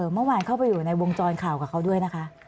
เมื่อวานเข้าไปอยู่ในวงจรข่าวกับเขาด้วยนะคะ